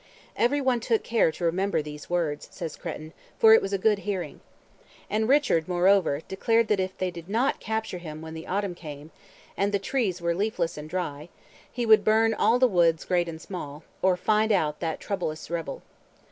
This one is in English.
"Every one took care to remember these words," says Creton, "for it was a good hearing." And Richard, moreover, declared that if they did not capture him when the autumn came, and the trees were leafless and dry, he would burn "all the woods great and small," or find out that troublous rebel.